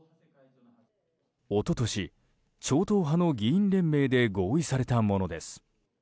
一昨年、超党派の議員連盟で合意されたものです。